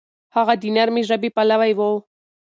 هغه د نرمې ژبې پلوی و.